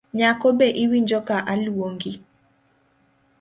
Nyako be iwinjo ka aluongi.